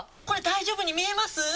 これ大丈夫に見えます？